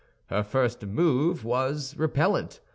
Her first movement was repellent.